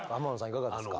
いかがですか？